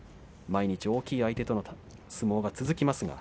毎日、大きい力士との対戦が続きます。